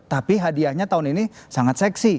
tapi hadiahnya tahun ini sangat seksi